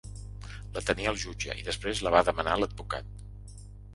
La tenia el jutge i després la va demanar l’advocat.